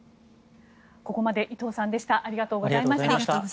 ここまで伊藤さんでした。